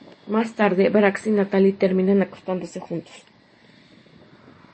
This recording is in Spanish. Más tarde Brax y Natalie terminan acostándose juntos.